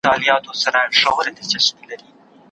د بل شاعر کلام باید په دقت سره وڅېړل سي.